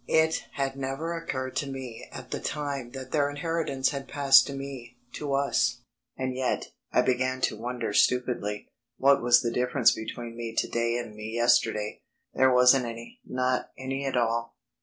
It had never occurred to me at the time that their inheritance had passed to me ... to us. And yet, I began to wonder stupidly, what was the difference between me to day and me yesterday. There wasn't any, not any at all.